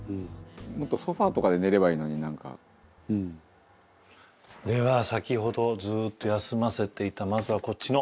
「もっとソファとかで寝ればいいのになんか」では先ほどずっと休ませていたまずはこっちの。